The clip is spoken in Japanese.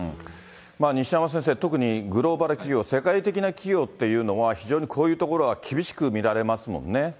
西山先生、特にグローバル企業、世界的な企業っていうのは、非常にこういうところは厳しく見られますもんね。